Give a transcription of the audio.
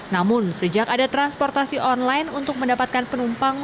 namun sejak ada transportasi online untuk mendapatkan penumpang